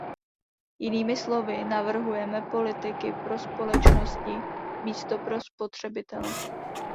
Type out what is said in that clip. Jinými slovy, navrhujeme politiky pro společnosti, místo pro spotřebitele.